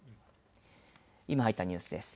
今、入ったニュースです。